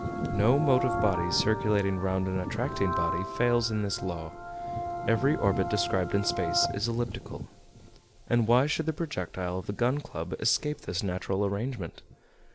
No motive body circulating round an attracting body fails in this law. Every orbit described in space is elliptical. And why should the projectile of the Gun Club escape this natural arrangement?